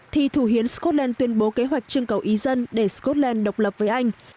thì thủ hiến scotland tuyên bố kế hoạch trưng cầu ý dân để scotland độc lập với anh